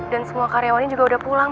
dan semua karyawannya juga udah pulang